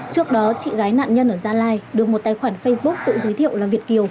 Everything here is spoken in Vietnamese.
trước đó chị gái nạn nhân ở gia lai được một tài khoản facebook tự giới thiệu là việt kiều